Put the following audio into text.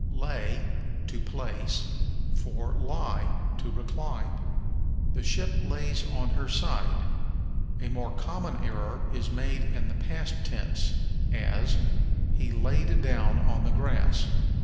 Lay (to place) for Lie (to recline). "The ship lays on her side." A more common error is made in the past tense, as, "He laid down on the grass."